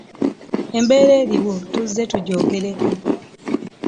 Embeera eriwo tuzze tugyogerako.